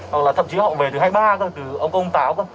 hoặc là thậm chí họ về từ hai mươi ba cơ từ ông công táo cơ